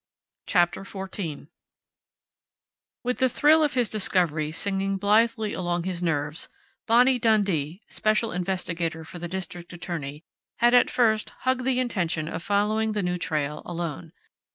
CHAPTER FOURTEEN With the thrill of his discovery singing blithely along his nerves, Bonnie Dundee, Special Investigator for the District Attorney, had at first hugged the intention of following the new trail alone.